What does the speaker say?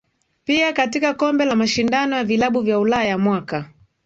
Pia katika kombe la mashindano ya vilabu vya Ulaya mwaka